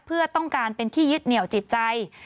เพื่อต้องการเป็นที่ยึดเหนียวจิตใจ